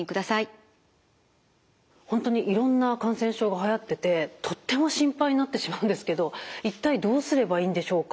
本当にいろんな感染症がはやっててとっても心配になってしまうんですけど一体どうすればいいんでしょうか？